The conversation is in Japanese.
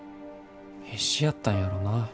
必死やったんやろな。